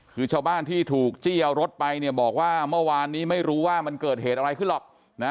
คือชาวบ้านที่ถูกจี้เอารถไปเนี่ยบอกว่าเมื่อวานนี้ไม่รู้ว่ามันเกิดเหตุอะไรขึ้นหรอกนะ